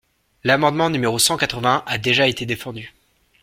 L’amendement n° cent quatre-vingt-un a déjà été défendu.